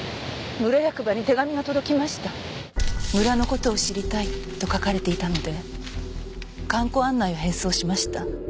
村の事を知りたいと書かれていたので観光案内を返送しました。